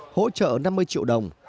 hỗ trợ năm mươi triệu đồng